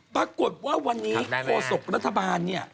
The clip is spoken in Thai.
ปรากฏว่าวันนี้โฆษกรรธบาล